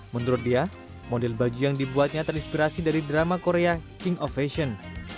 menurut dia model baju yang dibuatnya terinspirasi dari drama korea king of fashion